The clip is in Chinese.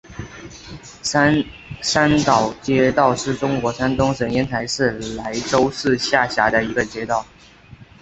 三山岛街道是中国山东省烟台市莱州市下辖的一个街道。